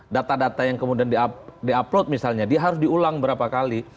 data data yang kemudian di upload misalnya dia harus diulang berapa kali